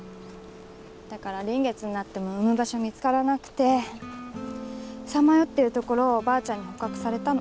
だから臨月になっても産む場所見つからなくてさまよってるところをばあちゃんに捕獲されたの。